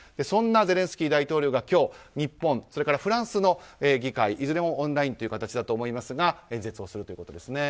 そんなゼレンスキー大統領が今日日本、フランスの議会いずれもオンラインという形だと思いますが演説をするということです。